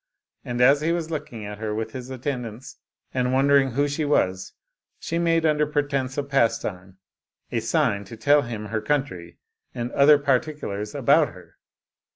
And as he was looking at her with his attendants, and wondering who she was, she made, under pretense of pastime, a sign to tell him her country and other particulars about her.